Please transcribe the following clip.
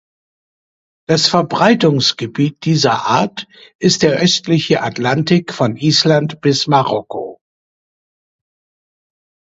Das Verbreitungsgebiet dieser Art ist der östliche Atlantik von Island bis Marokko.